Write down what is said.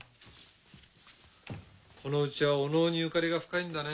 この家はお能にゆかりが深いんだね。